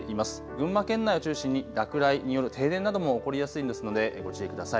群馬県内を中心に落雷による停電なども起こりやすいですのでご注意ください。